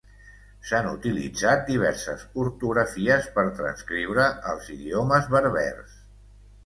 S'han utilitzat diverses ortografies per transcriure els idiomes berbers.